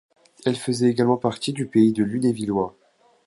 Elle faisait également partie du pays du Lunévillois.